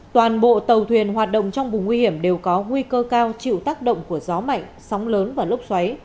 toàn bộ tàu thuyền hoạt động trong vùng nguy hiểm đều có nguy cơ cao chịu tác động của gió mạnh sóng lớn và lốc xoáy